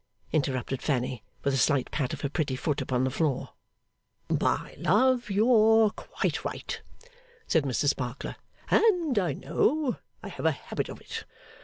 interrupted Fanny, with a slight pat of her pretty foot upon the floor. 'My love, you're quite right,' said Mr Sparkler, 'and I know I have a habit of it.